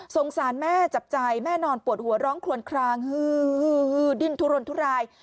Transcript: สารแม่จับใจแม่นอนปวดหัวร้องคลวนคลางฮือดิ้นทุรนทุราย